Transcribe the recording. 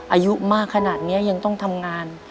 อายุมากขนาดนี้ยังต้องทำงาน